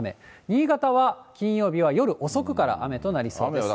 新潟は金曜日は夜遅くから雨となりそうです。